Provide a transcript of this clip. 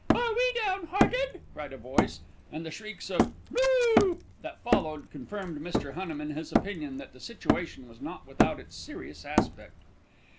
"Are we down hearted?" cried a voice, and the shrieks of "No!" that followed confirmed Mr. Cunham in his opinion that the situation was not without its serious aspect.